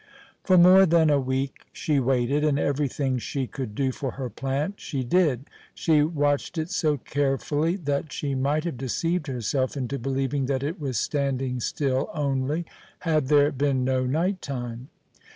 For more than a week she waited, and everything she could do for her plant she did. She watched it so carefully that she might have deceived herself into believing that it was standing still only, had there been no night time.